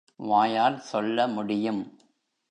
வாயால் சொல்ல முடியும்?